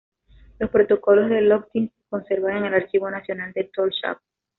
Los protocolos del Løgting se conservan en el Archivo Nacional de Tórshavn.